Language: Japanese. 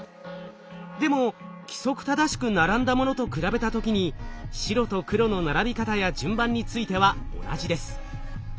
でも規則正しく並んだものと比べた時に白と黒の並び方や順番については同じです。